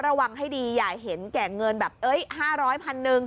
แล้วระวังให้ดีอย่าเห็นแก่เงินแบบ๕๐๐๐๐๐บาท